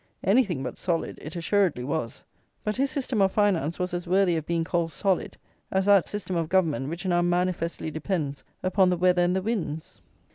Anything but solid it assuredly was; but his system of finance was as worthy of being called solid, as that system of Government which now manifestly depends upon the weather and the winds.